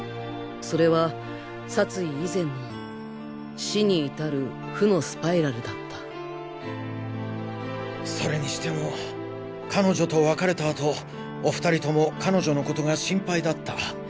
それは殺意以前の死に至る負のスパイラルだったそれにしても彼女と別れたあとお２人とも彼女のことが心配だった。